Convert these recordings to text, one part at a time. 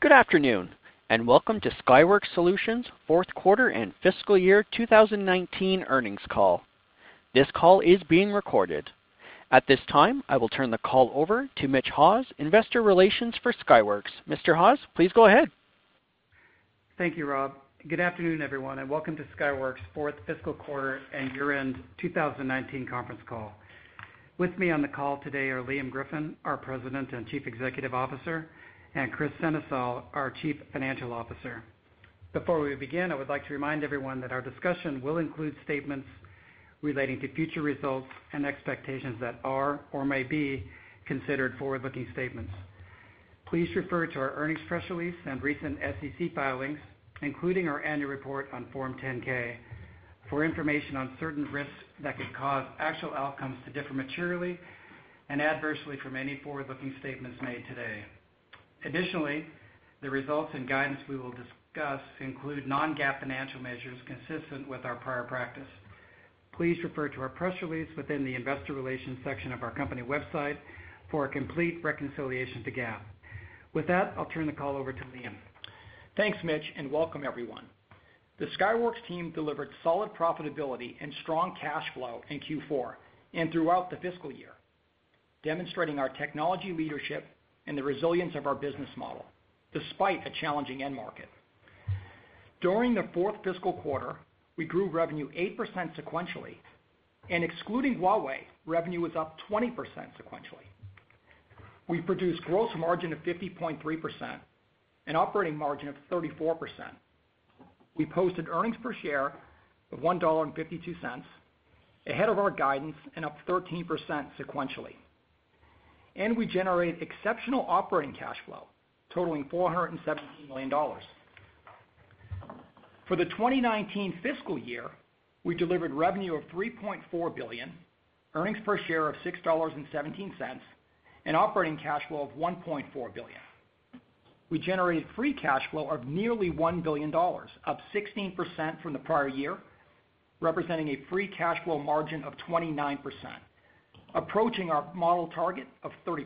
Good afternoon, welcome to Skyworks Solutions' fourth quarter and fiscal year 2019 earnings call. This call is being recorded. At this time, I will turn the call over to Mitch Haws, investor relations for Skyworks. Mr. Haws, please go ahead. Thank you, Rob. Good afternoon, everyone, and welcome to Skyworks' fourth fiscal quarter and year-end 2019 conference call. With me on the call today are Liam Griffin, our President and Chief Executive Officer, and Kris Sennesael, our Chief Financial Officer. Before we begin, I would like to remind everyone that our discussion will include statements relating to future results and expectations that are or may be considered forward-looking statements. Please refer to our earnings press release and recent SEC filings, including our annual report on Form 10-K, for information on certain risks that could cause actual outcomes to differ materially and adversely from any forward-looking statements made today. Additionally, the results and guidance we will discuss include non-GAAP financial measures consistent with our prior practice. Please refer to our press release within the investor relations section of our company website for a complete reconciliation to GAAP. With that, I'll turn the call over to Liam. Thanks, Mitch, and welcome everyone. The Skyworks team delivered solid profitability and strong cash flow in Q4 and throughout the fiscal year, demonstrating our technology leadership and the resilience of our business model, despite a challenging end market. During the fourth fiscal quarter, we grew revenue 8% sequentially, and excluding Huawei, revenue was up 20% sequentially. We produced gross margin of 50.3% and operating margin of 34%. We posted earnings per share of $1.52, ahead of our guidance and up 13% sequentially. We generated exceptional operating cash flow totaling $417 million. For the 2019 fiscal year, we delivered revenue of $3.4 billion, earnings per share of $6.17, and operating cash flow of $1.4 billion. We generated free cash flow of nearly $1 billion, up 16% from the prior year, representing a free cash flow margin of 29%, approaching our model target of 30%.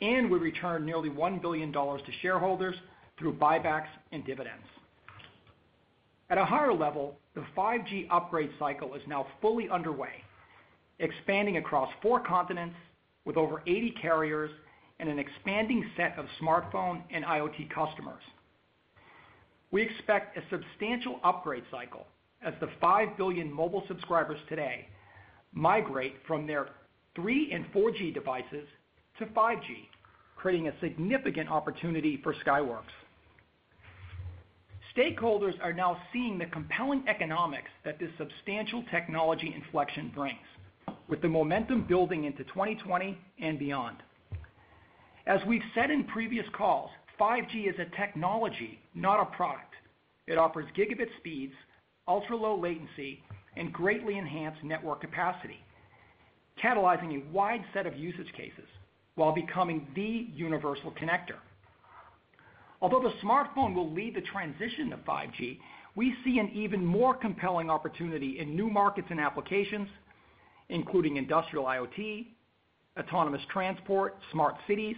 We returned nearly $1 billion to shareholders through buybacks and dividends. At a higher level, the 5G upgrade cycle is now fully underway, expanding across four continents with over 80 carriers and an expanding set of smartphone and IoT customers. We expect a substantial upgrade cycle as the 5 billion mobile subscribers today migrate from their 3G and 4G devices to 5G, creating a significant opportunity for Skyworks. Stakeholders are now seeing the compelling economics that this substantial technology inflection brings, with the momentum building into 2020 and beyond. As we've said in previous calls, 5G is a technology, not a product. It offers gigabit speeds, ultra-low latency, and greatly enhanced network capacity, catalyzing a wide set of usage cases while becoming the universal connector. Although the smartphone will lead the transition to 5G, we see an even more compelling opportunity in new markets and applications, including industrial IoT, autonomous transport, smart cities,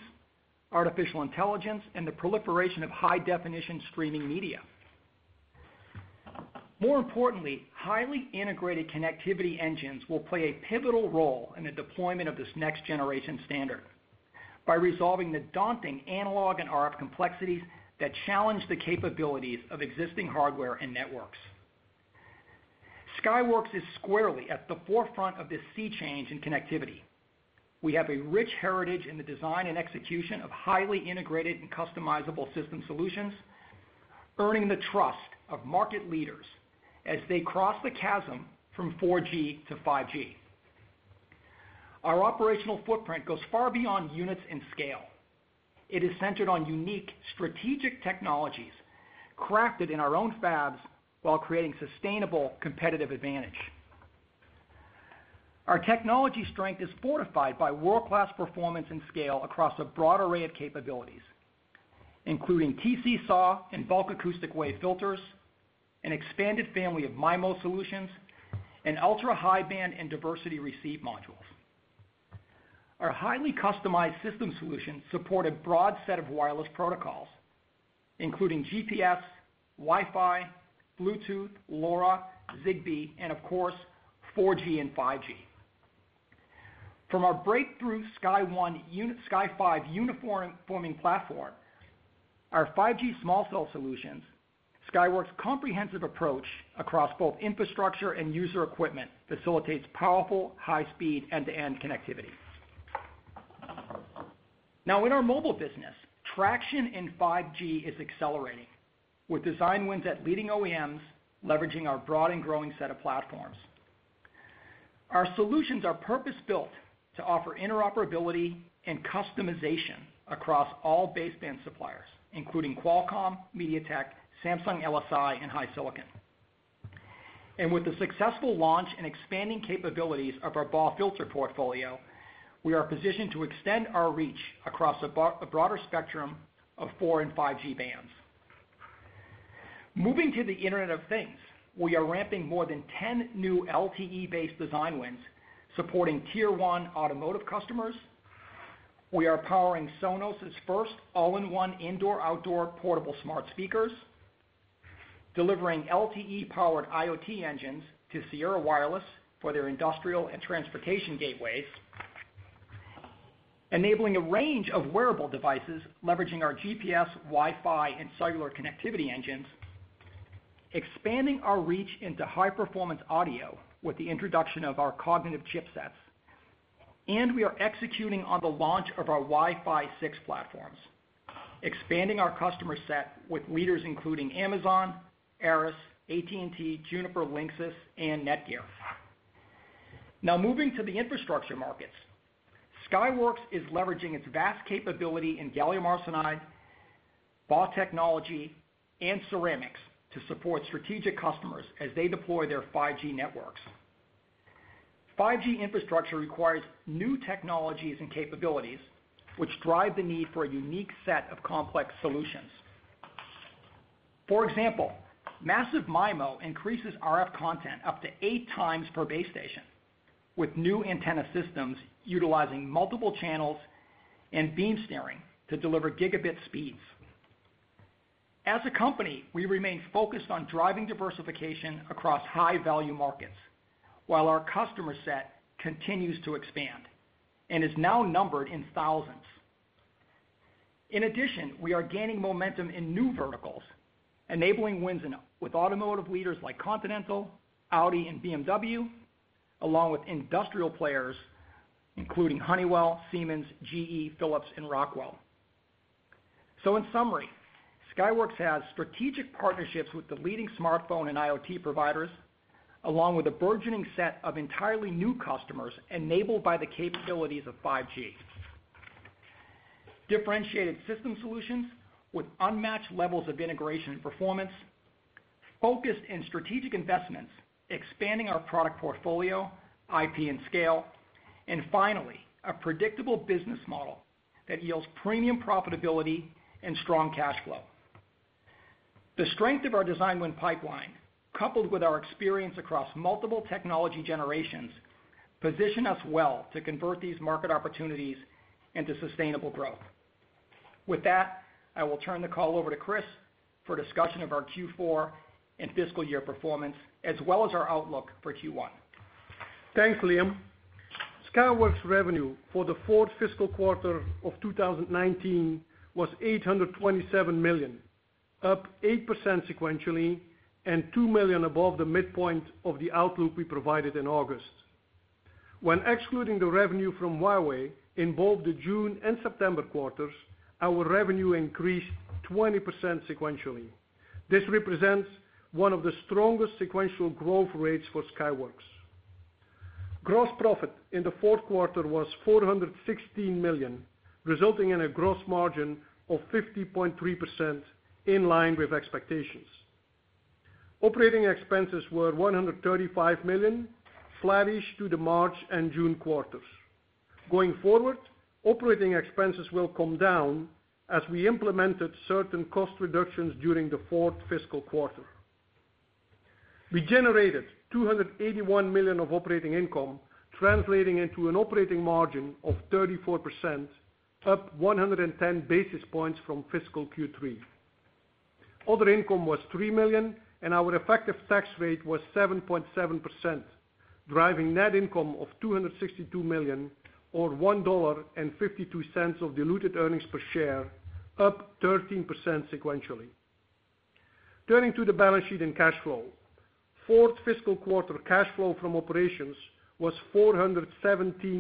artificial intelligence, and the proliferation of high-definition streaming media. More importantly, highly integrated connectivity engines will play a pivotal role in the deployment of this next-generation standard by resolving the daunting analog and RF complexities that challenge the capabilities of existing hardware and networks. Skyworks is squarely at the forefront of this sea change in connectivity. We have a rich heritage in the design and execution of highly integrated and customizable system solutions, earning the trust of market leaders as they cross the chasm from 4G to 5G. Our operational footprint goes far beyond units and scale. It is centered on unique strategic technologies crafted in our own fabs while creating sustainable competitive advantage. Our technology strength is fortified by world-class performance and scale across a broad array of capabilities, including TC SAW and bulk acoustic wave filters, an expanded family of MIMO solutions, and ultra-high band and diversity receive modules. Our highly customized system solutions support a broad set of wireless protocols, including GPS, Wi-Fi, Bluetooth, LoRa, Zigbee, and of course, 4G and 5G. From our breakthrough SkyOne, Sky5 unified front-end platform, our 5G small cell solutions, Skyworks' comprehensive approach across both infrastructure and user equipment facilitates powerful, high-speed end-to-end connectivity. Now in our mobile business, traction in 5G is accelerating, with design wins at leading OEMs leveraging our broad and growing set of platforms. Our solutions are purpose-built to offer interoperability and customization across all baseband suppliers, including Qualcomm, MediaTek, Samsung LSI and HiSilicon. With the successful launch and expanding capabilities of our BAW filter portfolio, we are positioned to extend our reach across a broader spectrum of 4G and 5G bands. Moving to the Internet of Things, we are ramping more than 10 new LTE-based design wins supporting tier 1 automotive customers. We are powering Sonos' first all-in-one indoor/outdoor portable smart speakers, delivering LTE-powered IoT engines to Sierra Wireless for their industrial and transportation gateways, enabling a range of wearable devices leveraging our GPS, Wi-Fi, and cellular connectivity engines, expanding our reach into high-performance audio with the introduction of our cognitive chipsets. We are executing on the launch of our Wi-Fi 6 platforms, expanding our customer set with leaders including Amazon, ARRIS, AT&T, Juniper, Linksys, and NETGEAR. Moving to the infrastructure markets. Skyworks is leveraging its vast capability in gallium arsenide, BAW technology, and ceramics to support strategic customers as they deploy their 5G networks. 5G infrastructure requires new technologies and capabilities, which drive the need for a unique set of complex solutions. For example, massive MIMO increases RF content up to eight times per base station, with new antenna systems utilizing multiple channels and beam steering to deliver gigabit speeds. As a company, we remain focused on driving diversification across high-value markets, while our customer set continues to expand and is now numbered in thousands. In addition, we are gaining momentum in new verticals, enabling wins with automotive leaders like Continental, Audi, and BMW, along with industrial players including Honeywell, Siemens, GE, Philips, and Rockwell. In summary, Skyworks has strategic partnerships with the leading smartphone and IoT providers, along with a burgeoning set of entirely new customers enabled by the capabilities of 5G, differentiated system solutions with unmatched levels of integration and performance, focused in strategic investments, expanding our product portfolio, IP, and scale. Finally, a predictable business model that yields premium profitability and strong cash flow. The strength of our design win pipeline, coupled with our experience across multiple technology generations, position us well to convert these market opportunities into sustainable growth. With that, I will turn the call over to Kris for a discussion of our Q4 and fiscal year performance, as well as our outlook for Q1. Thanks, Liam. Skyworks revenue for the fourth fiscal quarter of 2019 was $827 million, up 8% sequentially and $2 million above the midpoint of the outlook we provided in August. When excluding the revenue from Huawei in both the June and September quarters, our revenue increased 20% sequentially. This represents one of the strongest sequential growth rates for Skyworks. Gross profit in the fourth quarter was $416 million, resulting in a gross margin of 50.3%, in line with expectations. Operating expenses were $135 million, flattish to the March and June quarters. Going forward, operating expenses will come down as we implemented certain cost reductions during the fourth fiscal quarter. We generated $281 million of operating income, translating into an operating margin of 34%, up 110 basis points from fiscal Q3. Other income was $3 million, our effective tax rate was 7.7%, driving net income of $262 million or $1.52 of diluted earnings per share, up 13% sequentially. Turning to the balance sheet and cash flow. Fourth fiscal quarter cash flow from operations was $417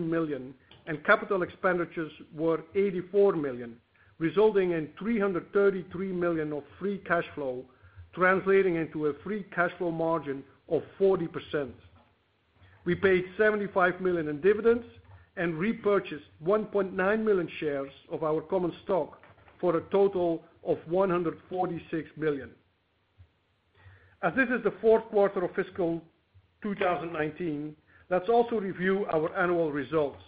million, CapEx were $84 million, resulting in $333 million of free cash flow, translating into a free cash flow margin of 40%. We paid $75 million in dividends and repurchased 1.9 million shares of our common stock for a total of $146 million. As this is the fourth quarter of fiscal 2019, let's also review our annual results.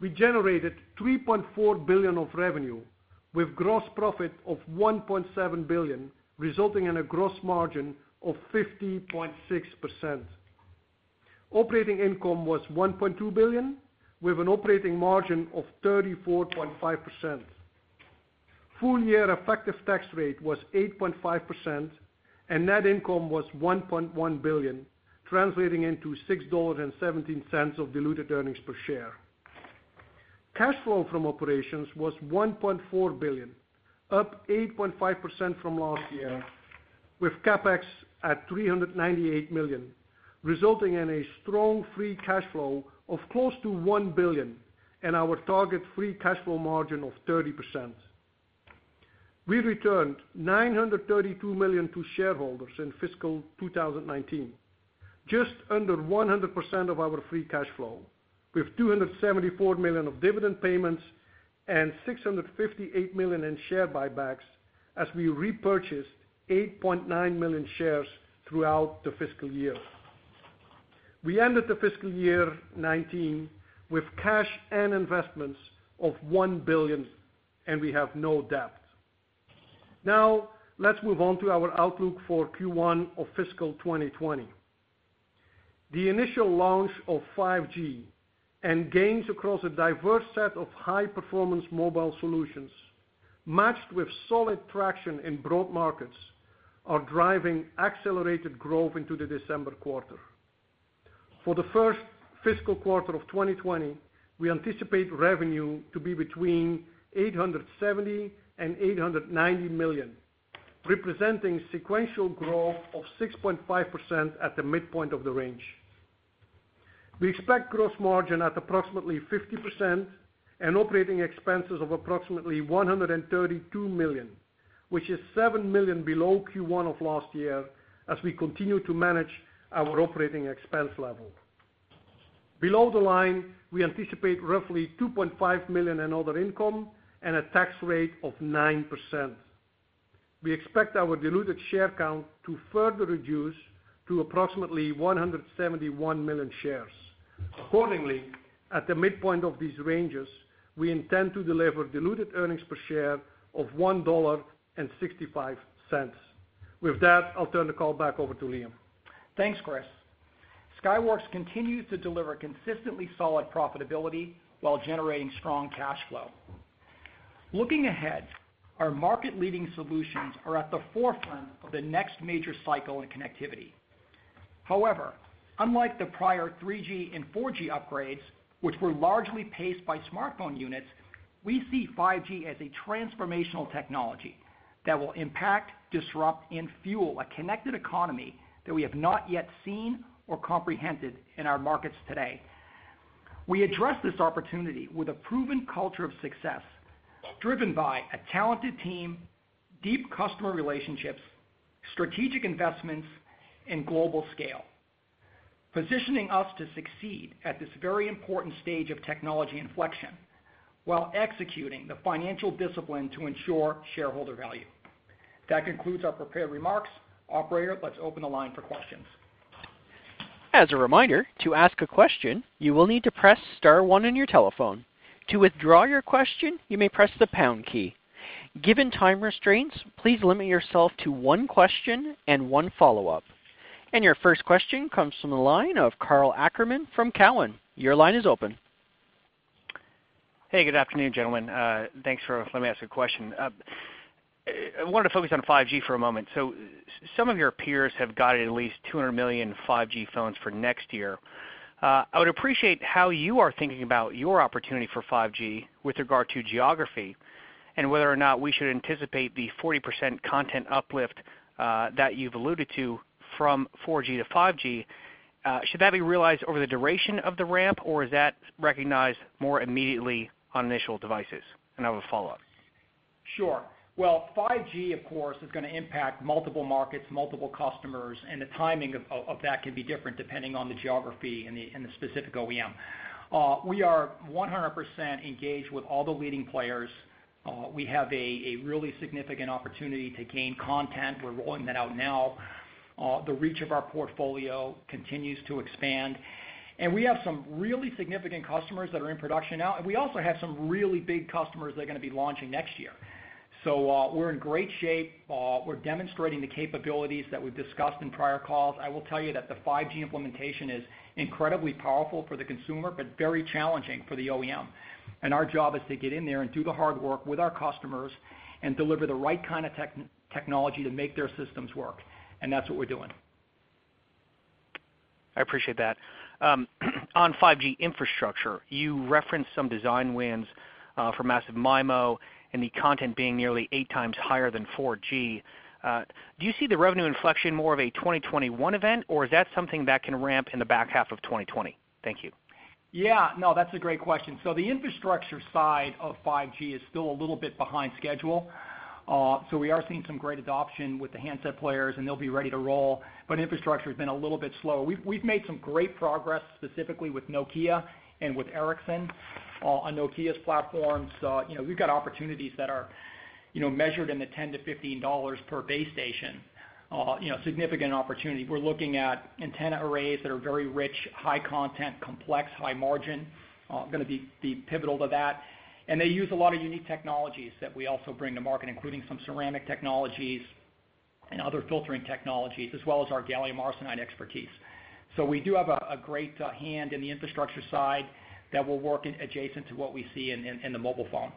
We generated $3.4 billion of revenue with gross profit of $1.7 billion, resulting in a gross margin of 50.6%. Operating income was $1.2 billion, with an operating margin of 34.5%. Full year effective tax rate was 8.5%, and net income was $1.1 billion, translating into $6.17 of diluted earnings per share. Cash flow from operations was $1.4 billion, up 8.5% from last year, with CapEx at $398 million, resulting in a strong free cash flow of close to $1 billion and our target free cash flow margin of 30%. We returned $932 million to shareholders in fiscal 2019, just under 100% of our free cash flow, with $274 million of dividend payments and $658 million in share buybacks as we repurchased 8.9 million shares throughout the fiscal year. We ended the fiscal year 2019 with cash and investments of $1 billion. We have no debt. Now, let's move on to our outlook for Q1 of fiscal 2020. The initial launch of 5G and gains across a diverse set of high-performance mobile solutions, matched with solid traction in broad markets, are driving accelerated growth into the December quarter. For the first fiscal quarter of 2020, we anticipate revenue to be between $870 million and $890 million, representing sequential growth of 6.5% at the midpoint of the range. We expect gross margin at approximately 50% and operating expenses of approximately $132 million, which is $7 million below Q1 of last year, as we continue to manage our operating expense level. Below the line, we anticipate roughly $2.5 million in other income and a tax rate of 9%. We expect our diluted share count to further reduce to approximately 171 million shares. Accordingly, at the midpoint of these ranges, we intend to deliver diluted earnings per share of $1.65. With that, I'll turn the call back over to Liam. Thanks, Kris. Skyworks continues to deliver consistently solid profitability while generating strong cash flow. Looking ahead, our market-leading solutions are at the forefront of the next major cycle in connectivity. Unlike the prior 3G and 4G upgrades, which were largely paced by smartphone units, we see 5G as a transformational technology that will impact, disrupt, and fuel a connected economy that we have not yet seen or comprehended in our markets today. We address this opportunity with a proven culture of success driven by a talented team, deep customer relationships, strategic investments, and global scale, positioning us to succeed at this very important stage of technology inflection, while executing the financial discipline to ensure shareholder value. That concludes our prepared remarks. Operator, let's open the line for questions. As a reminder, to ask a question, you will need to press star one on your telephone. To withdraw your question, you may press the pound key. Given time restraints, please limit yourself to one question and one follow-up. Your first question comes from the line of Karl Ackerman from Cowen. Your line is open. Hey, good afternoon, gentlemen. Thanks for letting me ask a question. I wanted to focus on 5G for a moment. Some of your peers have guided at least 200 million 5G phones for next year. I would appreciate how you are thinking about your opportunity for 5G with regard to geography and whether or not we should anticipate the 40% content uplift that you've alluded to from 4G to 5G. Should that be realized over the duration of the ramp, or is that recognized more immediately on initial devices? I have a follow-up. Sure. 5G, of course, is going to impact multiple markets, multiple customers, and the timing of that can be different depending on the geography and the specific OEM. We are 100% engaged with all the leading players. We have a really significant opportunity to gain content. We're rolling that out now. The reach of our portfolio continues to expand. We have some really significant customers that are in production now, and we also have some really big customers that are going to be launching next year. We're in great shape. We're demonstrating the capabilities that we've discussed in prior calls. I will tell you that the 5G implementation is incredibly powerful for the consumer, but very challenging for the OEM. Our job is to get in there and do the hard work with our customers and deliver the right kind of technology to make their systems work, and that's what we're doing. I appreciate that. On 5G infrastructure, you referenced some design wins for massive MIMO and the content being nearly eight times higher than 4G. Do you see the revenue inflection more of a 2021 event, or is that something that can ramp in the back half of 2020? Thank you. Yeah. No, that's a great question. The infrastructure side of 5G is still a little bit behind schedule. We are seeing some great adoption with the handset players, and they'll be ready to roll, but infrastructure's been a little bit slow. We've made some great progress, specifically with Nokia and with Ericsson. On Nokia's platforms, we've got opportunities that are measured in the $10-$15 per base station. Significant opportunity. We're looking at antenna arrays that are very rich, high content, complex, high margin, going to be pivotal to that. They use a lot of unique technologies that we also bring to market, including some ceramic technologies and other filtering technologies, as well as our gallium arsenide expertise. We do have a great hand in the infrastructure side that will work adjacent to what we see in the mobile phone.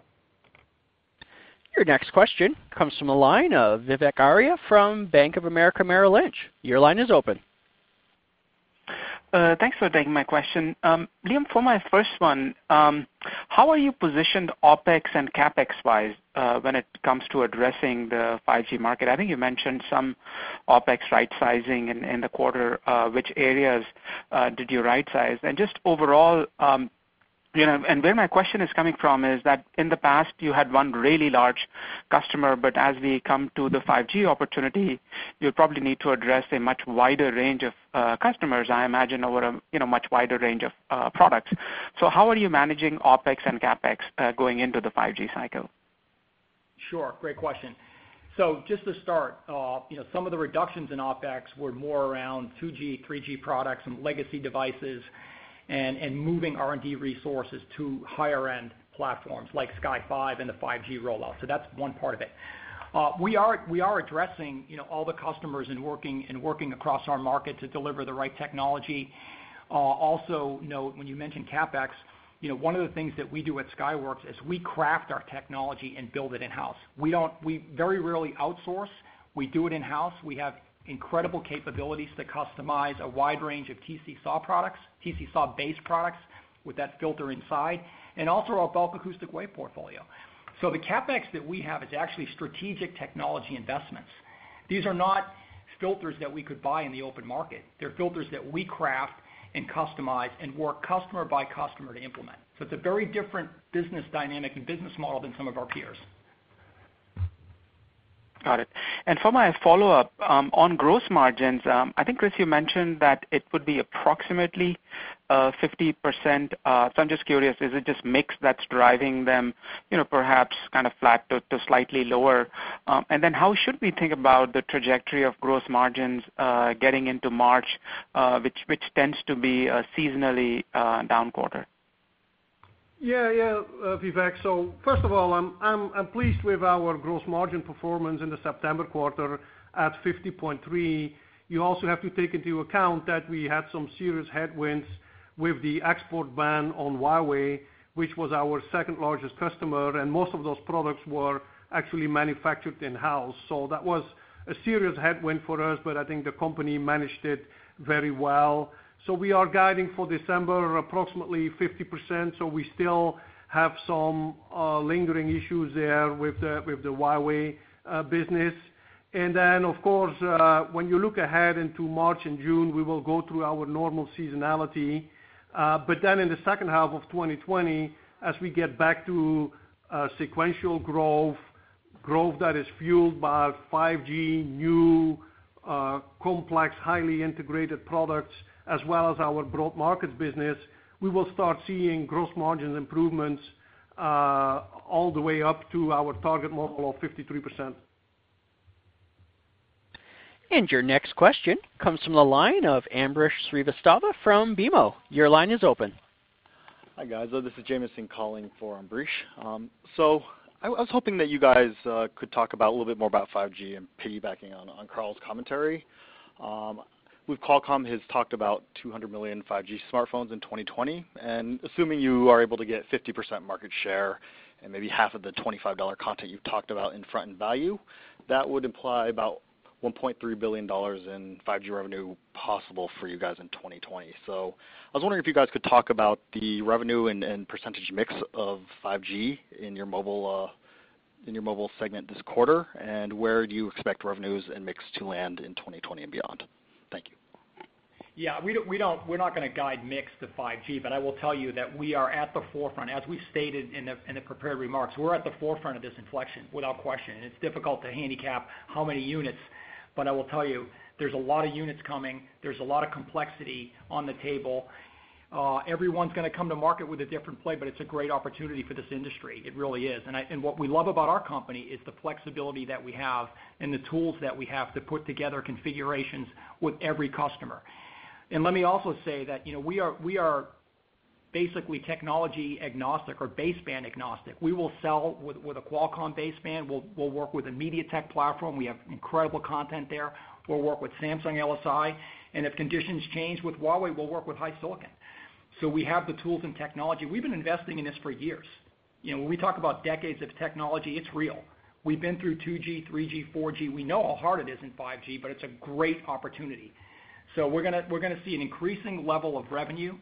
Your next question comes from the line of Vivek Arya from Bank of America Merrill Lynch. Your line is open. Thanks for taking my question. Liam, for my first one, how are you positioned OpEx and CapEx wise when it comes to addressing the 5G market? I think you mentioned some OpEx right-sizing in the quarter. Which areas did you right-size? Just overall, and where my question is coming from is that in the past you had one really large customer, but as we come to the 5G opportunity, you'll probably need to address a much wider range of customers, I imagine, over a much wider range of products. How are you managing OpEx and CapEx going into the 5G cycle? Sure. Great question. Just to start, some of the reductions in OpEx were more around 2G, 3G products and legacy devices and moving R&D resources to higher-end platforms like Sky5 and the 5G rollout. That's one part of it. We are addressing all the customers and working across our market to deliver the right technology. Also, note, when you mention CapEx, one of the things that we do at Skyworks is we craft our technology and build it in-house. We very rarely outsource. We do it in-house. We have incredible capabilities to customize a wide range of TC SAW products, TC SAW-based products with that filter inside, and also our bulk acoustic wave portfolio. The CapEx that we have is actually strategic technology investments. These are not filters that we could buy in the open market. They're filters that we craft and customize and work customer by customer to implement. It's a very different business dynamic and business model than some of our peers. Got it. For my follow-up, on gross margins, I think, Kris, you mentioned that it would be approximately 50%. I'm just curious, is it just mix that's driving them perhaps kind of flat to slightly lower? How should we think about the trajectory of gross margins getting into March, which tends to be a seasonally down quarter? Yeah. Vivek, first of all, I'm pleased with our gross margin performance in the September quarter at 50.3%. You also have to take into account that we had some serious headwinds with the export ban on Huawei, which was our second-largest customer, and most of those products were actually manufactured in-house. That was a serious headwind for us, but I think the company managed it very well. We are guiding for December approximately 50%. We still have some lingering issues there with the Huawei business. Of course, when you look ahead into March and June, we will go through our normal seasonality. In the second half of 2020, as we get back to sequential growth that is fueled by 5G, new, complex, highly integrated products, as well as our broad markets business, we will start seeing gross margins improvements all the way up to our target model of 53%. Your next question comes from the line of Ambrish Srivastava from BMO. Your line is open. Hi, guys. This is Jameson calling for Ambrish. I was hoping that you guys could talk a little bit more about 5G and piggybacking on Karl's commentary. With Qualcomm has talked about 200 million 5G smartphones in 2020, and assuming you are able to get 50% market share and maybe half of the $25 content you've talked about in front-end value, that would imply about $1.3 billion in 5G revenue possible for you guys in 2020. I was wondering if you guys could talk about the revenue and percentage mix of 5G in your mobile segment this quarter, and where do you expect revenues and mix to land in 2020 and beyond? Thank you. Yeah. We're not going to guide mix to 5G, but I will tell you that we are at the forefront. As we stated in the prepared remarks, we're at the forefront of this inflection, without question. It's difficult to handicap how many units, but I will tell you, there's a lot of units coming. There's a lot of complexity on the table. Everyone's going to come to market with a different play, but it's a great opportunity for this industry. It really is. What we love about our company is the flexibility that we have and the tools that we have to put together configurations with every customer. Let me also say that we are basically technology agnostic or baseband agnostic. We will sell with a Qualcomm baseband. We'll work with a MediaTek platform. We have incredible content there. We'll work with Samsung LSI. If conditions change with Huawei, we'll work with HiSilicon. We have the tools and technology. We've been investing in this for years. When we talk about decades of technology, it's real. We've been through 2G, 3G, 4G. We know how hard it is in 5G, but it's a great opportunity. We're going to see an increasing level of revenue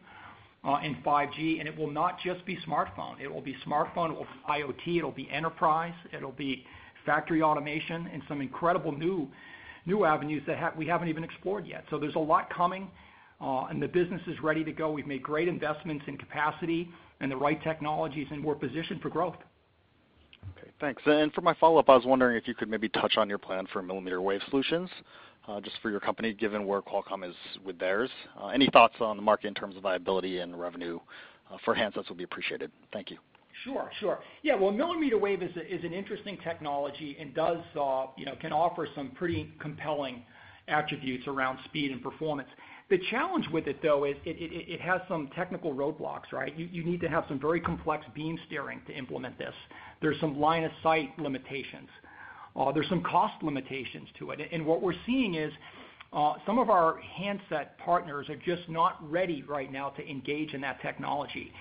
in 5G, and it will not just be smartphone. It will be smartphone, it will be IoT, it'll be enterprise, it'll be factory automation, and some incredible new avenues that we haven't even explored yet. There's a lot coming, and the business is ready to go. We've made great investments in capacity and the right technologies, and we're positioned for growth. Okay, thanks. For my follow-up, I was wondering if you could maybe touch on your plan for millimeter wave solutions, just for your company, given where Qualcomm is with theirs. Any thoughts on the market in terms of viability and revenue for handsets will be appreciated. Thank you. Sure. Well, millimeter wave is an interesting technology and can offer some pretty compelling attributes around speed and performance. The challenge with it, though, it has some technical roadblocks, right? You need to have some very complex beam steering to implement this. There's some line of sight limitations. There's some cost limitations to it. What we're seeing is some of our handset partners are just not ready right now to engage in that technology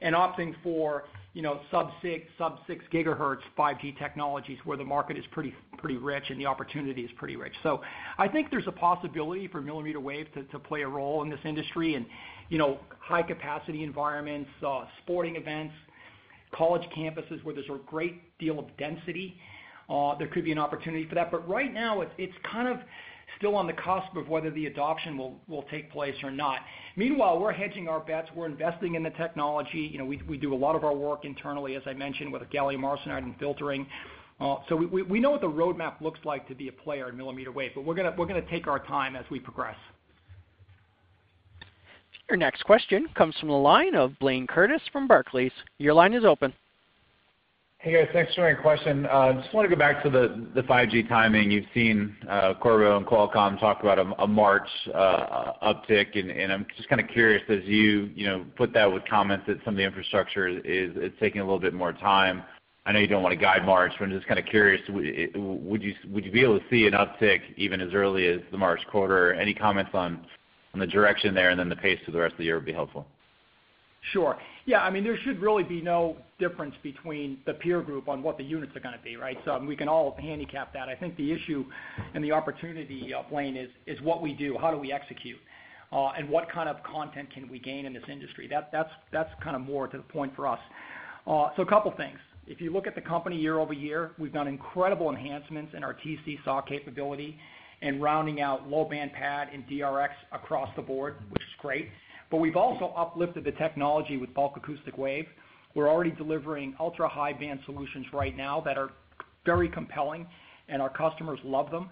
and opting for sub-6 gigahertz 5G technologies where the market is pretty rich and the opportunity is pretty rich. I think there's a possibility for millimeter wave to play a role in this industry and high-capacity environments, sporting events, college campuses, where there's a great deal of density. There could be an opportunity for that. Right now, it's kind of still on the cusp of whether the adoption will take place or not. Meanwhile, we're hedging our bets. We're investing in the technology. We do a lot of our work internally, as I mentioned, with the gallium arsenide and filtering. We know what the roadmap looks like to be a player in millimeter wave, but we're going to take our time as we progress. Your next question comes from the line of Blayne Curtis from Barclays. Your line is open. Hey, guys. Thanks for taking my question. Just want to go back to the 5G timing. You've seen Qorvo and Qualcomm talk about a March uptick. I'm just kind of curious as you put that with comments that some of the infrastructure is taking a little bit more time. I know you don't want to guide March. I'm just kind of curious, would you be able to see an uptick even as early as the March quarter? Any comments on the direction there. Then the pace through the rest of the year would be helpful. Sure. There should really be no difference between the peer group on what the units are going to be, right? We can all handicap that. I think the issue and the opportunity, Blayne, is what we do, how do we execute, and what kind of content can we gain in this industry? That's kind of more to the point for us. A couple things. If you look at the company year-over-year, we've done incredible enhancements in our TC SAW capability and rounding out low-band PAD and DRx across the board, which is great. We've also uplifted the technology with bulk acoustic wave. We're already delivering ultra-high-band solutions right now that are very compelling, and our customers love them.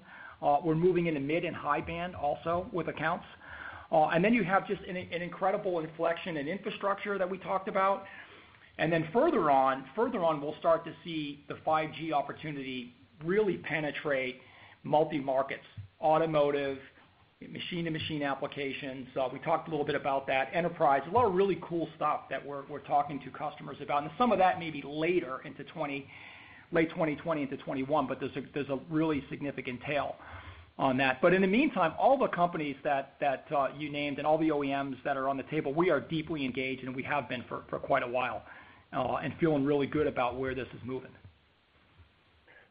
We're moving into mid and high band also with accounts. You have just an incredible inflection in infrastructure that we talked about. Further on, we'll start to see the 5G opportunity really penetrate multi-markets, automotive, machine-to-machine applications, Enterprise. We talked a little bit about that. A lot of really cool stuff that we're talking to customers about, and some of that may be later into late 2020 into 2021, but there's a really significant tail on that. In the meantime, all the companies that you named and all the OEMs that are on the table, we are deeply engaged, and we have been for quite a while, and feeling really good about where this is moving.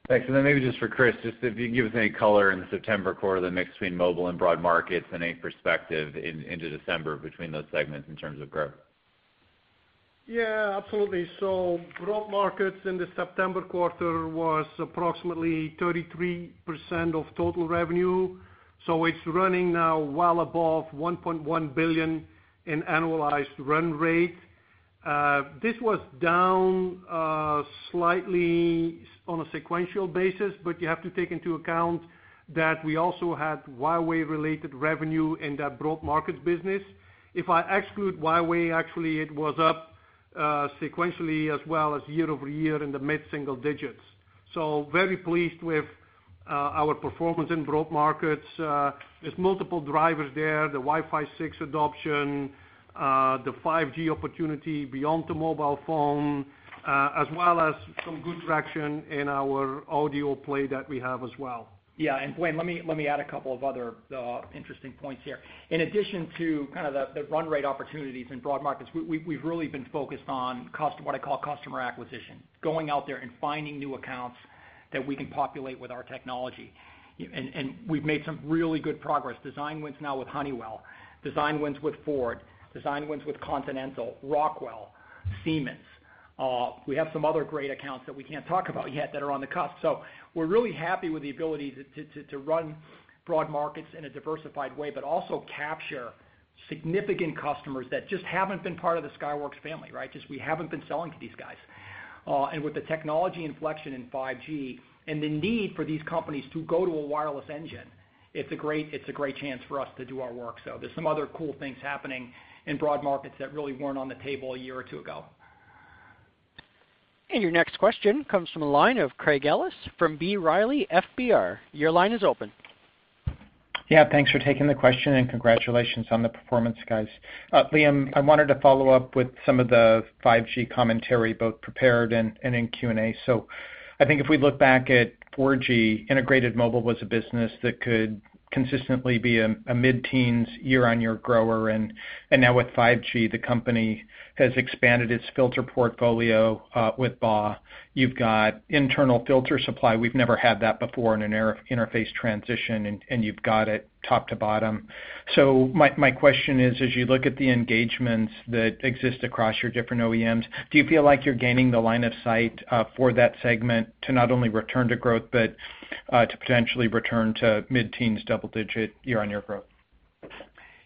Thanks. Maybe just for Kris, just if you can give us any color in the September quarter, the mix between mobile and broad markets, and any perspective into December between those segments in terms of growth. Yeah, absolutely. Broad markets in the September quarter was approximately 33% of total revenue. It's running now well above $1.1 billion in annualized run rate. This was down slightly on a sequential basis, but you have to take into account that we also had Huawei-related revenue in that broad markets business. If I exclude Huawei, actually, it was up sequentially as well as year-over-year in the mid-single digits. Very pleased with our performance in broad markets. There's multiple drivers there, the Wi-Fi 6 adoption, the 5G opportunity beyond the mobile phone, as well as some good traction in our audio play that we have as well. Yeah. Blayne, let me add a couple of other interesting points here. In addition to kind of the run rate opportunities in broad markets, we've really been focused on what I call customer acquisition, going out there and finding new accounts that we can populate with our technology. We've made some really good progress. Design wins now with Honeywell. Design wins with Ford. Design wins with Continental, Rockwell, Siemens. We have some other great accounts that we can't talk about yet that are on the cusp. We're really happy with the ability to run broad markets in a diversified way, but also capture significant customers that just haven't been part of the Skyworks family, right? Just, we haven't been selling to these guys. With the technology inflection in 5G and the need for these companies to go to a wireless engine, it's a great chance for us to do our work. There's some other cool things happening in broad markets that really weren't on the table a year or two ago. Your next question comes from the line of Craig Ellis from B. Riley FBR. Your line is open. Yeah, thanks for taking the question. Congratulations on the performance, guys. Liam, I wanted to follow up with some of the 5G commentary, both prepared and in Q&A. I think if we look back at 4G, integrated mobile was a business that could consistently be a mid-teens year-on-year grower, and now with 5G, the company has expanded its filter portfolio with BAW. You've got internal filter supply. We've never had that before in an interface transition, and you've got it top to bottom. My question is: as you look at the engagements that exist across your different OEMs, do you feel like you're gaining the line of sight for that segment to not only return to growth but to potentially return to mid-teens, double-digit year-on-year growth?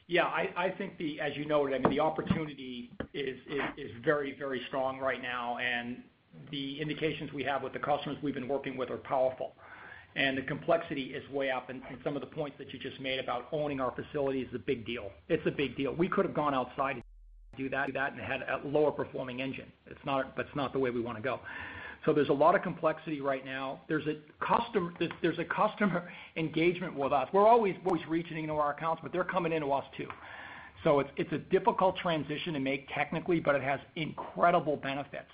Yeah, I think as you noted, the opportunity is very strong right now. The indications we have with the customers we've been working with are powerful. The complexity is way up, and some of the points that you just made about owning our facility is a big deal. It's a big deal. We could have gone outside and do that and had a lower-performing engine. That's not the way we want to go. There's a lot of complexity right now. There's a customer engagement with us. We're always reaching into our accounts, but they're coming into us, too. It's a difficult transition to make technically, but it has incredible benefits.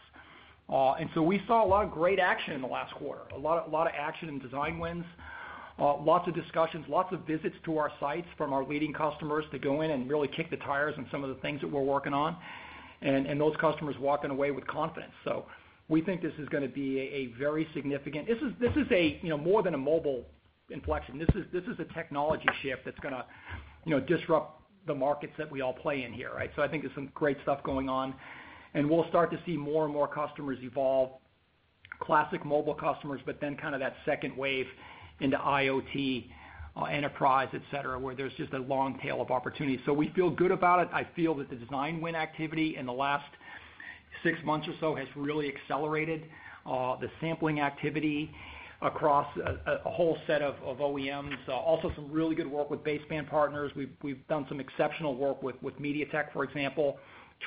We saw a lot of great action in the last quarter. A lot of action in design wins, lots of discussions, lots of visits to our sites from our leading customers to go in and really kick the tires on some of the things that we're working on, and those customers walking away with confidence. We think this is going to be a very significant. This is more than a mobile inflection. This is a technology shift that's going to disrupt the markets that we all play in here, right. I think there's some great stuff going on, and we'll start to see more and more customers evolve, classic mobile customers, but then kind of that second wave into IoT, enterprise, et cetera, where there's just a long tail of opportunity. We feel good about it. I feel that the design win activity in the last six months or so has really accelerated the sampling activity across a whole set of OEMs. Some really good work with baseband partners. We've done some exceptional work with MediaTek, for example,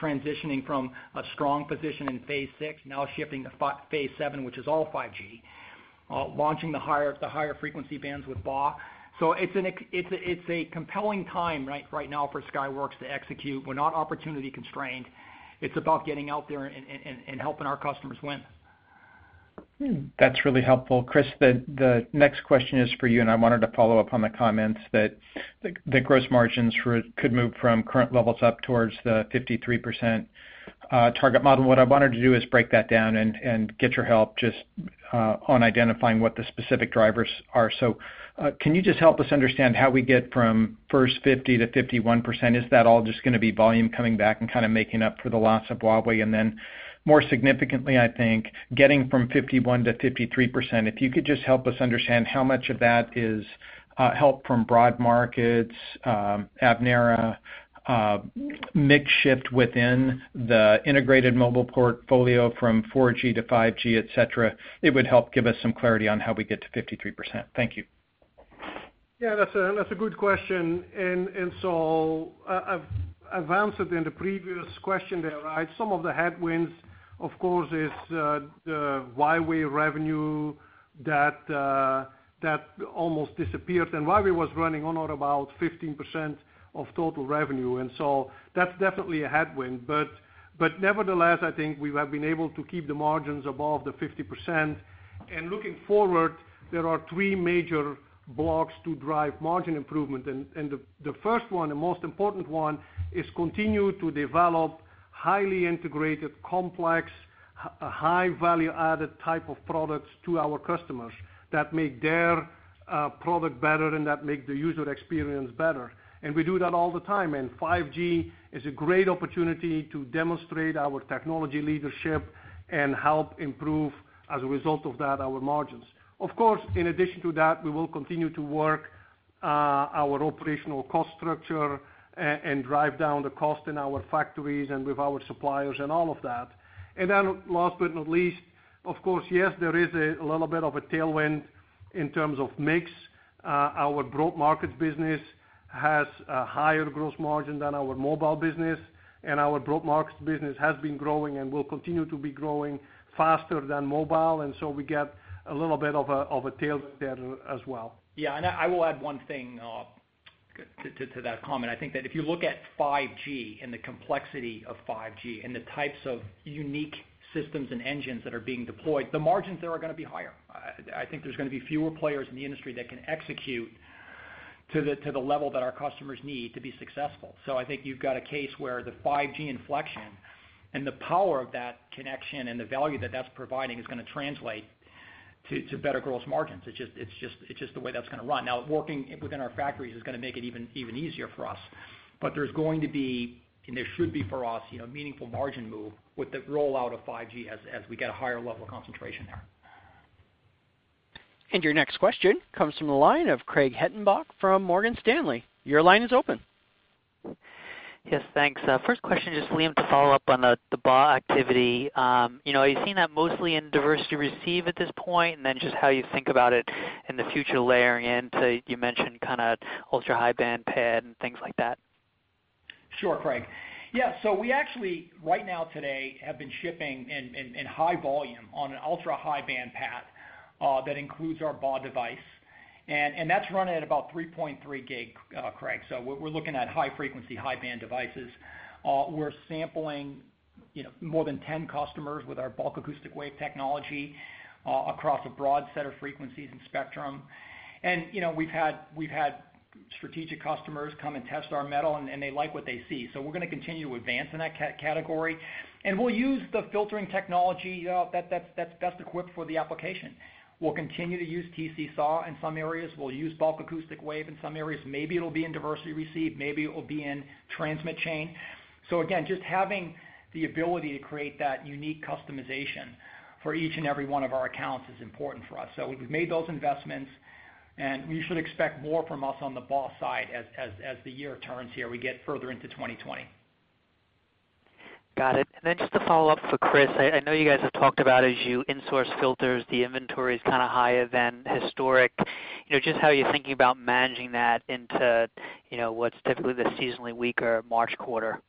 transitioning from a strong position in phase 6, now shifting to phase 7, which is all 5G. Launching the higher frequency bands with BAW. It's a compelling time right now for Skyworks to execute. We're not opportunity constrained. It's about getting out there and helping our customers win. That's really helpful. Kris, the next question is for you. I wanted to follow up on the comments that the gross margins could move from current levels up towards the 53% target model. What I wanted to do is break that down and get your help just on identifying what the specific drivers are. Can you just help us understand how we get from first 50% to 51%? Is that all just going to be volume coming back and kind of making up for the loss of Huawei? More significantly, I think, getting from 51% to 53%. If you could just help us understand how much of that is help from broad markets, Avnera, mix shift within the integrated mobile portfolio from 4G to 5G, et cetera. It would help give us some clarity on how we get to 53%. Thank you. Yeah, that's a good question, and so I've answered in the previous question there, right? Some of the headwinds, of course, is the Huawei revenue that almost disappeared. Huawei was running on or about 15% of total revenue, and so that's definitely a headwind. Nevertheless, I think we have been able to keep the margins above the 50%. Looking forward, there are three major blocks to drive margin improvement. The first one, the most important one, is continue to develop highly integrated, complex, high value-added type of products to our customers that make their product better and that make the user experience better. We do that all the time. 5G is a great opportunity to demonstrate our technology leadership and help improve, as a result of that, our margins. Of course, in addition to that, we will continue to work our operational cost structure and drive down the cost in our factories and with our suppliers and all of that. Last but not least, of course, yes, there is a little bit of a tailwind in terms of mix. Our broad markets business has a higher gross margin than our mobile business, and our broad markets business has been growing and will continue to be growing faster than mobile, and so we get a little bit of a tail there as well. I will add one thing to that comment. I think that if you look at 5G and the complexity of 5G and the types of unique systems and engines that are being deployed, the margins there are going to be higher. I think there's going to be fewer players in the industry that can execute to the level that our customers need to be successful. I think you've got a case where the 5G inflection and the power of that connection and the value that that's providing is going to translate to better gross margins. It's just the way that's going to run. Working within our factories is going to make it even easier for us, but there's going to be, and there should be for us, a meaningful margin move with the rollout of 5G as we get a higher level of concentration there. Your next question comes from the line of Craig Hettenbach from Morgan Stanley. Your line is open. Yes, thanks. First question, just Liam to follow up on the BAW activity. Are you seeing that mostly in diversity receive at this point? Just how you think about it in the future layering in to, you mentioned kind of ultra-high band PAD and things like that. Sure, Craig. Yeah, we actually right now today have been shipping in high volume on an ultra-high band path that includes our BAW device, and that's running at about 3.3 gig, Craig. We're looking at high frequency, high band devices. We're sampling more than 10 customers with our bulk acoustic wave technology across a broad set of frequencies and spectrum. We've had strategic customers come and test our mettle, and they like what they see. We're going to continue to advance in that category, and we'll use the filtering technology that's best equipped for the application. We'll continue to use TC SAW in some areas. We'll use bulk acoustic wave in some areas. Maybe it'll be in diversity receive, maybe it will be in transmit chain. Again, just having the ability to create that unique customization for each and every one of our accounts is important for us. We've made those investments, and you should expect more from us on the BAW side as the year turns here, we get further into 2020. Got it. Then just a follow-up for Kris. I know you guys have talked about as you insource filters, the inventory is kind of higher than historic. Just how you're thinking about managing that into what's typically the seasonally weaker March quarter?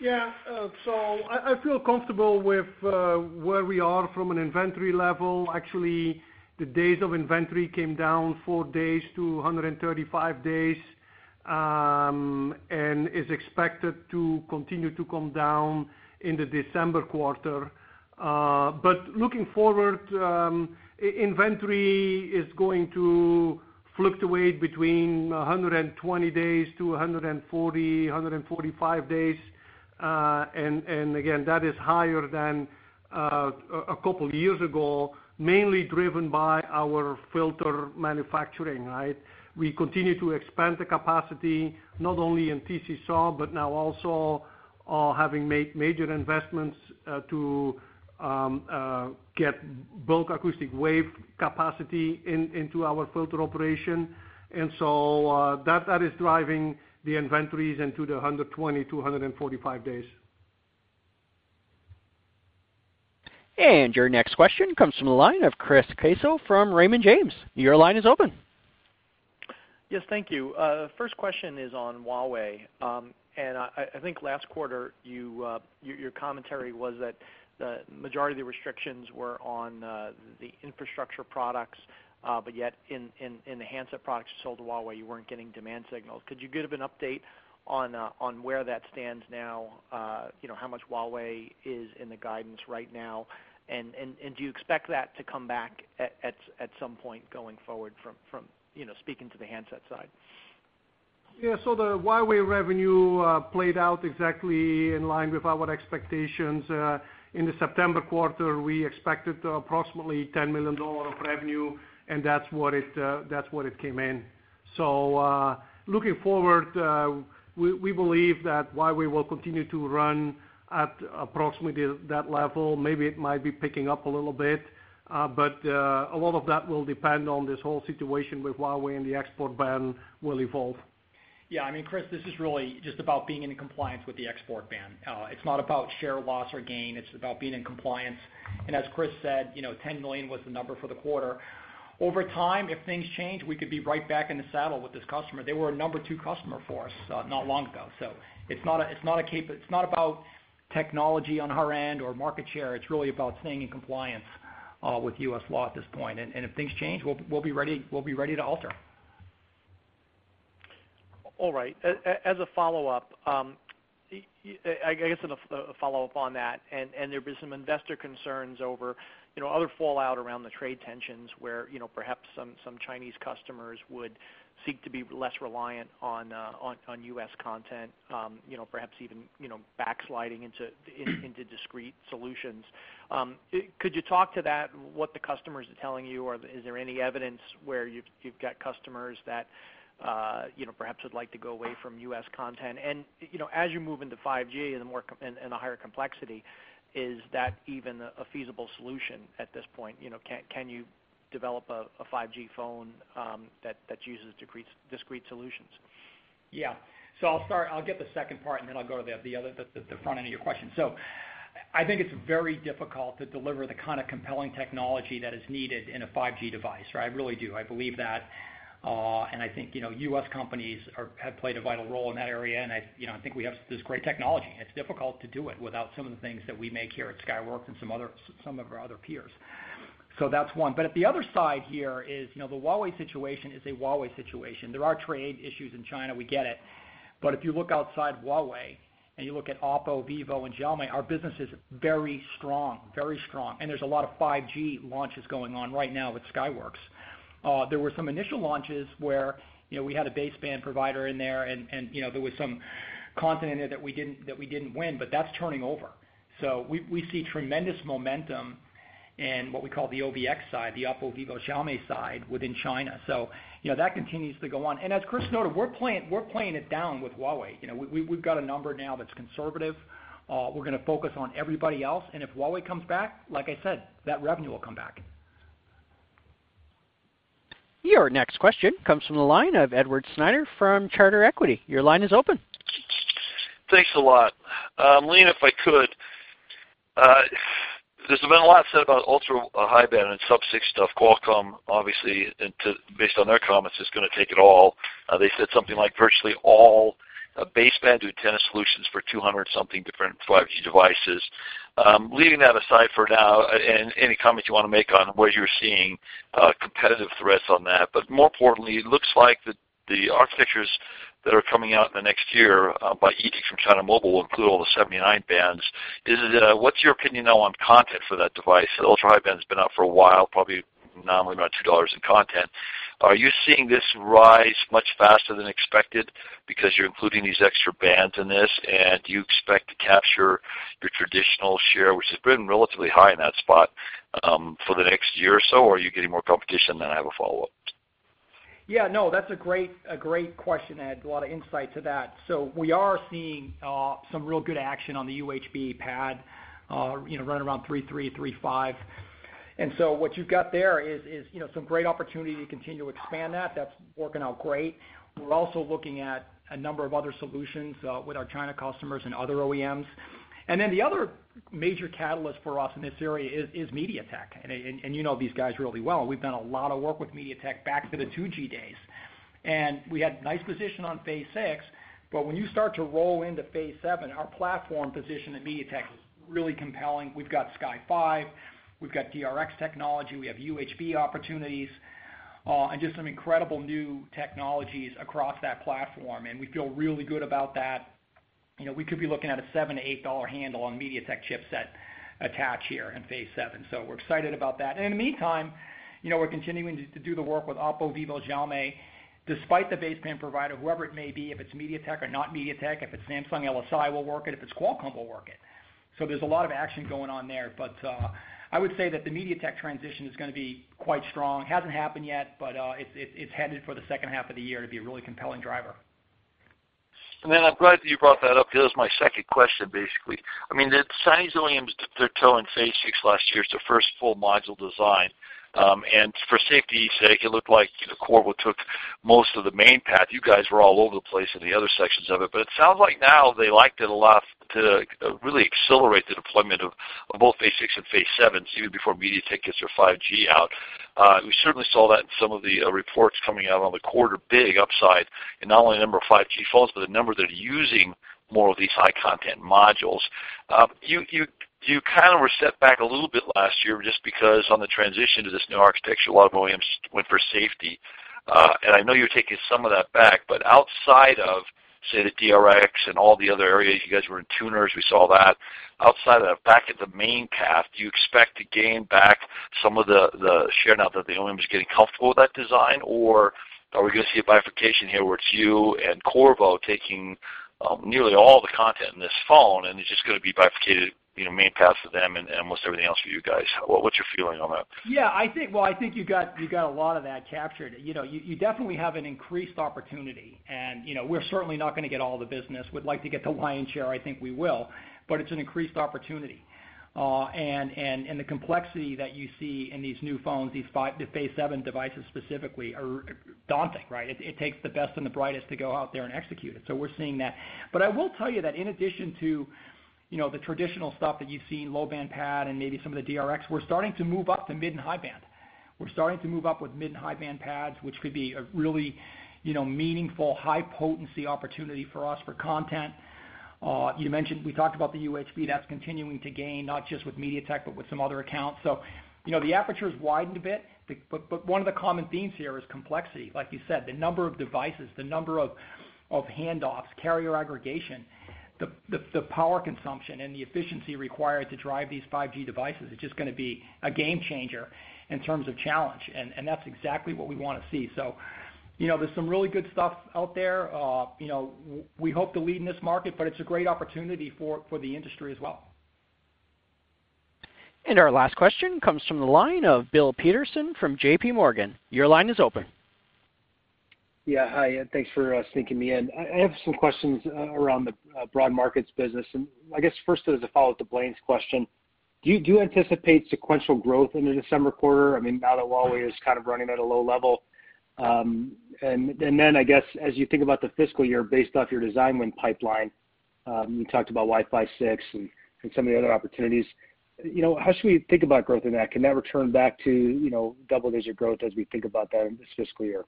Yeah. I feel comfortable with where we are from an inventory level. Actually, the days of inventory came down four days to 135 days, and is expected to continue to come down in the December quarter. Looking forward, inventory is going to fluctuate between 120 days to 140, 145 days. Again, that is higher than a couple of years ago, mainly driven by our filter manufacturing. We continue to expand the capacity, not only in TC SAW, but now also having made major investments to get bulk acoustic wave capacity into our filter operation. That is driving the inventories into the 120-145 days. Your next question comes from the line of Chris Caso from Raymond James. Your line is open. Yes, thank you. First question is on Huawei. I think last quarter, your commentary was that the majority of the restrictions were on the infrastructure products, but yet in the handset products you sold to Huawei, you weren't getting demand signals. Could you give an update on where that stands now? How much Huawei is in the guidance right now, and do you expect that to come back at some point going forward from speaking to the handset side? The Huawei revenue played out exactly in line with our expectations. In the September quarter, we expected approximately $10 million of revenue, and that's what it came in. Looking forward, we believe that Huawei will continue to run at approximately that level. Maybe it might be picking up a little bit, but a lot of that will depend on this whole situation with Huawei and the export ban will evolve. Chris, this is really just about being in compliance with the export ban. It's not about share loss or gain. It's about being in compliance. As Kris said, $10 million was the number for the quarter. Over time, if things change, we could be right back in the saddle with this customer. They were a number 2 customer for us not long ago. It's not about technology on our end or market share. It's really about staying in compliance with U.S. law at this point. If things change, we'll be ready to alter. All right. As a follow-up on that, there have been some investor concerns over other fallout around the trade tensions where perhaps some Chinese customers would seek to be less reliant on U.S. content, perhaps even backsliding into discrete solutions. Could you talk to that? What the customers are telling you, or is there any evidence where you've got customers that perhaps would like to go away from U.S. content? As you move into 5G and a higher complexity, is that even a feasible solution at this point? Can you develop a 5G phone that uses discrete solutions? I'll get the second part, and then I'll go to the front end of your question. I think it's very difficult to deliver the kind of compelling technology that is needed in a 5G device. I really do. I believe that, and I think U.S. companies have played a vital role in that area, and I think we have this great technology, and it's difficult to do it without some of the things that we make here at Skyworks and some of our other peers. That's one. At the other side here is, the Huawei situation is a Huawei situation. There are trade issues in China, we get it. If you look outside Huawei and you look at OPPO, vivo and Xiaomi, our business is very strong. Very strong. There's a lot of 5G launches going on right now with Skyworks. There were some initial launches where we had a baseband provider in there and there was some content in there that we didn't win, but that's turning over. We see tremendous momentum in what we call the OVX side, the OPPO, vivo, Xiaomi side within China. That continues to go on. As Kris noted, we're playing it down with Huawei. We've got a number now that's conservative. We're going to focus on everybody else, and if Huawei comes back, like I said, that revenue will come back. Your next question comes from the line of Edward Snyder from Charter Equity. Your line is open. Thanks a lot. Liam, if I could, there's been a lot said about ultra-high band and sub-6 stuff. Qualcomm, obviously, based on their comments, is going to take it all. They said something like virtually all baseband to antenna solutions for 200 something different 5G devices. Leaving that aside for now, and any comments you want to make on whether you're seeing competitive threats on that. More importantly, it looks like the architectures that are coming out in the next year by edict from China Mobile will include all the 79 bands. What's your opinion now on content for that device? The ultra-high band's been out for a while, probably nominally about $2 in content. Are you seeing this rise much faster than expected because you're including these extra bands in this? Do you expect to capture your traditional share, which has been relatively high in that spot, for the next year or so, or are you getting more competition? I have a follow-up. No, that's a great question, Ed. A lot of insight to that. We are seeing some real good action on the UHB PAD right around 33, 35. What you've got there is some great opportunity to continue to expand that. That's working out great. We're also looking at a number of other solutions with our China customers and other OEMs. The other major catalyst for us in this area is MediaTek. You know these guys really well. We've done a lot of work with MediaTek back to the 2G days, and we had nice position on phase six, but when you start to roll into phase seven, our platform position at MediaTek is really compelling. We've got Sky5, we've got DRx technology, we have UHB opportunities, and just some incredible new technologies across that platform, and we feel really good about that. We could be looking at a $7 to $8 handle on MediaTek chipset attach here in phase seven, we're excited about that. In the meantime, we're continuing to do the work with OPPO, vivo, Xiaomi, despite the baseband provider, whoever it may be, if it's MediaTek or not MediaTek, if it's Samsung LSI, we'll work it. If it's Qualcomm, we'll work it. There's a lot of action going on there, but I would say that the MediaTek transition is going to be quite strong. Hasn't happened yet, but it's headed for the second half of the year to be a really compelling driver. I'm glad that you brought that up, because that was my second question, basically. I mean, the Chinese OEMs, they're toeing phase six last year. It's their first full module design. For safety's sake, it looked like Qorvo took most of the main path. You guys were all over the place in the other sections of it. It sounds like now they liked it a lot to really accelerate the deployment of both phase six and phase seven, even before MediaTek gets their 5G out. We certainly saw that in some of the reports coming out on the quarter, big upside in not only the number of 5G phones, but the number that are using more of these high content modules. You kind of were set back a little bit last year just because on the transition to this new architecture, a lot of OEMs went for safety. I know you're taking some of that back, but outside of, say, the DRx and all the other areas, you guys were in tuners, we saw that. Outside of that, back at the main path, do you expect to gain back some of the share now that the OEM is getting comfortable with that design? Are we going to see a bifurcation here where it's you and Qorvo taking nearly all the content in this phone, and it's just going to be bifurcated, main paths to them and almost everything else for you guys? What's your feeling on that? Yeah, well, I think you got a lot of that captured. You definitely have an increased opportunity, and we're certainly not going to get all the business. We'd like to get the lion's share. I think we will. It's an increased opportunity. The complexity that you see in these new phones, the phase 7 devices specifically, are daunting, right? It takes the best and the brightest to go out there and execute it. We're seeing that. I will tell you that in addition to the traditional stuff that you've seen, low-band PAD and maybe some of the DRx, we're starting to move up to mid and high band. We're starting to move up with mid and high-band PADs, which could be a really meaningful, high-potency opportunity for us for content. You mentioned, we talked about the UHB that's continuing to gain, not just with MediaTek, but with some other accounts. The aperture's widened a bit, but one of the common themes here is complexity. Like you said, the number of devices, the number of handoffs, carrier aggregation, the power consumption, and the efficiency required to drive these 5G devices is just going to be a game changer in terms of challenge. That's exactly what we want to see. There's some really good stuff out there. We hope to lead in this market, but it's a great opportunity for the industry as well. Our last question comes from the line of Bill Peterson from JPMorgan. Your line is open. Yeah. Hi, thanks for sneaking me in. I have some questions around the broad markets business. I guess first as a follow-up to Blayne's question, do you anticipate sequential growth in the December quarter? I mean, now that Huawei is kind of running at a low level. Then I guess as you think about the fiscal year based off your design win pipeline, you talked about Wi-Fi 6 and some of the other opportunities. How should we think about growth in that? Can that return back to double-digit growth as we think about that in this fiscal year?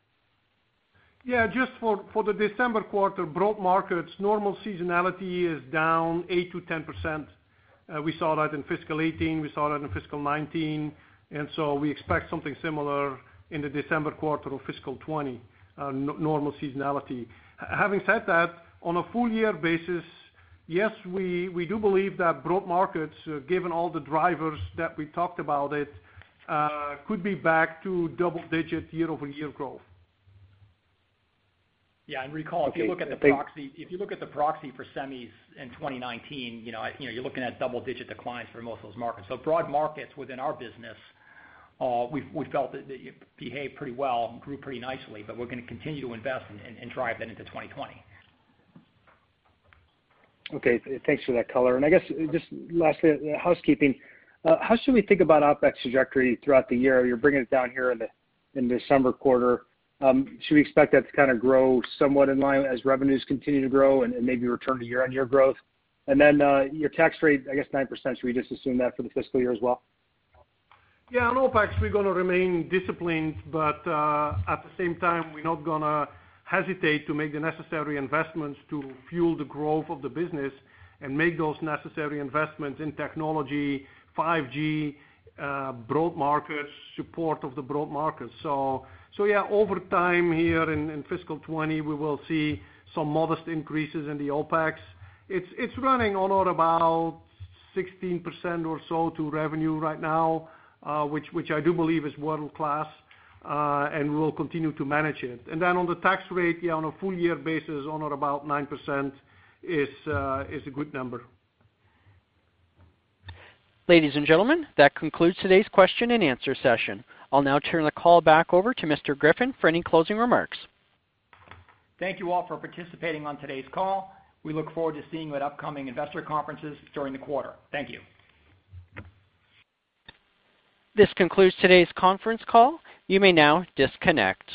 Yeah, just for the December quarter, broad markets, normal seasonality is down 8%-10%. We saw that in fiscal 2018, we saw that in fiscal 2019. We expect something similar in the December quarter of fiscal 2020, normal seasonality. Having said that, on a full year basis, yes, we do believe that broad markets, given all the drivers that we talked about it, could be back to double-digit year-over-year growth. Yeah, recall, if you look at the proxy for semis in 2019, you're looking at double-digit declines for most of those markets. Broad markets within our business, we felt that it behaved pretty well and grew pretty nicely, but we're going to continue to invest and drive that into 2020. Okay. Thanks for that color. I guess, just lastly, housekeeping, how should we think about OpEx trajectory throughout the year? You're bringing it down here in the December quarter. Should we expect that to kind of grow somewhat in line as revenues continue to grow and maybe return to year-on-year growth? Then your tax rate, I guess 9%, should we just assume that for the fiscal year as well? Yeah, on OpEx, we're going to remain disciplined, but at the same time, we're not going to hesitate to make the necessary investments to fuel the growth of the business and make those necessary investments in technology, 5G, broad markets, support of the broad markets. Yeah, over time here in fiscal 2020, we will see some modest increases in the OpEx. It's running on or about 16% or so to revenue right now, which I do believe is world-class, and we'll continue to manage it. Then on the tax rate, yeah, on a full year basis, on or about 9% is a good number. Ladies and gentlemen, that concludes today's question and answer session. I'll now turn the call back over to Mr. Griffin for any closing remarks. Thank you all for participating on today's call. We look forward to seeing you at upcoming investor conferences during the quarter. Thank you. This concludes today's conference call. You may now disconnect.